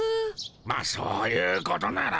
まっそういうことなら。